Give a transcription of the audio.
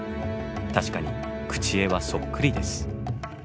確かに口絵はそっくりです。